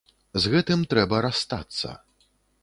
З гэтым трэба расстацца.